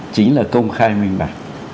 chính là công khai minh bạc